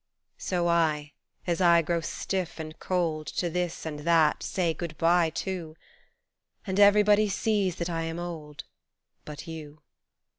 So I, as I grow stiff and cold To this and that say Good bye too ; And everybody sees that I am old But you.